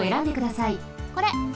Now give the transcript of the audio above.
これ。